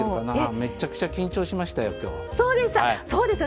めちゃくちゃ緊張しましたよ